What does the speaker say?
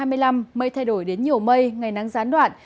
mây thay đổi đến nhiều mây ngày nắng gián đoạn